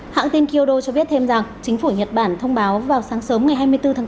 hãng tin kyodo cho biết thêm rằng chính phủ nhật bản thông báo vào sáng sớm ngày hai mươi bốn tháng bốn